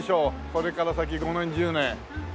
これから先５年１０年。